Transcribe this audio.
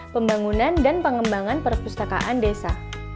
pembangunan dan pengembangan perpustakaan desa